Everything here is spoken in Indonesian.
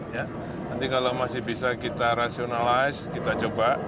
nanti kalau masih bisa kita rasionalize kita coba